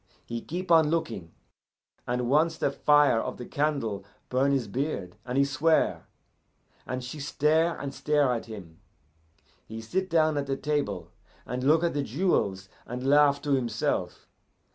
He keep on looking, and once the fire of the candle burn his beard, and he swear, and she stare and stare at him. He sit down at the table, and look at the jewels and laugh to himself.